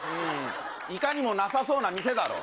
いかにもなさそうな店だろう。